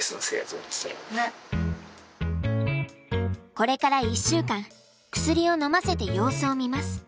これから１週間薬をのませて様子を見ます。